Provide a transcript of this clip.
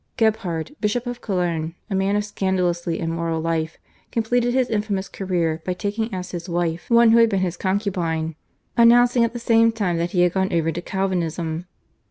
Gebhard, Archbishop of Cologne, a man of scandalously immoral life, completed his infamous career by taking as his wife one who had been his concubine, announcing at the same time that he had gone over to Calvinism.